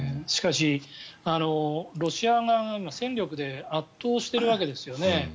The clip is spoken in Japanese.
しかし、ロシア側が今、戦力で圧倒しているわけですよね